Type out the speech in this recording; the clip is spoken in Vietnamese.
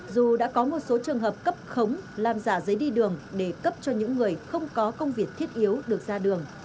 dù đã có một số trường hợp cấp khống làm giả giấy đi đường để cấp cho những người không có công việc thiết yếu được ra đường